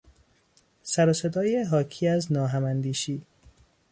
سر و صدای حاکی از ناهماندیشی